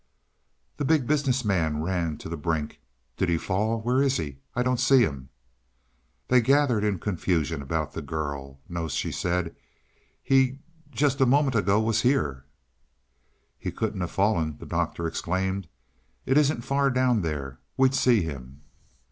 The Big Business Man ran to the brink. "Did he fall? Where is he? I don't see him." They gathered in confusion about the girl. "No," she said. "He just a moment ago he was here." "He couldn't have fallen," the Doctor exclaimed. "It isn't far down there we'd see him."